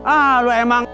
ah lu emang